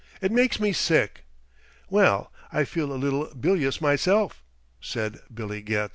"It makes me sick!" "Well, I feel a little bilious myself," said Billy Getz.